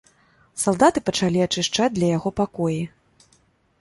Салдаты пачалі ачышчаць для яго пакоі.